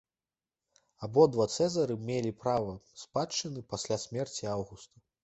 Абодва цэзары мелі права спадчыны пасля смерці аўгуста.